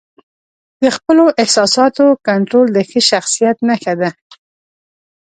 د خپلو احساساتو کنټرول د ښه شخصیت نښه ده.